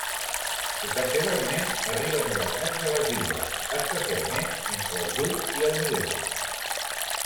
Ocasionalment arriben huracans a les illes, especialment entre el juny i el novembre.